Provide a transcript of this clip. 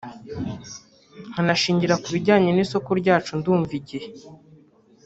nkanashingira ku bijyanye n'isoko ryacu ndumva Igihe